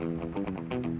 dia mau kemana